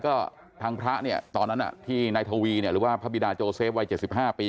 ก็ทางพระตอนนั้นที่ในเทวีหรือว่าพระบินารโจเสฟวัย๗๕ปี